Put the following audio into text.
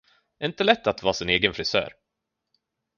Det är inte lätt att vara sin egen frisör.